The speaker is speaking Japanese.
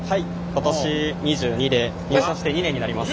今年２２で入社して２年になります。